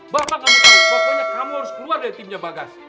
bapak gak mau tau pokoknya kamu harus keluar dari timnya bagas